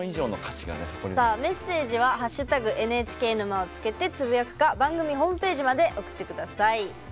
メッセージは「＃ＮＨＫ沼」をつけてつぶやくか番組ホームページまで送ってください。